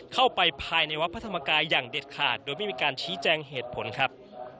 เข้าไปภายในวัดพระธรรมกายอย่างเด็ดขาดโดยไม่มีการชี้แจงเหตุผลครับ